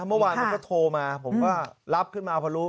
เมื่อวานผมก็โทรมาผมก็รับขึ้นมาพอรู้